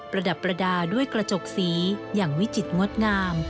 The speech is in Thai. ระดับประดาษด้วยกระจกสีอย่างวิจิตรงดงาม